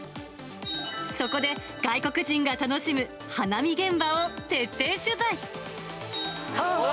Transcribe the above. そこで、外国人が楽しむ花見現場を徹底取材。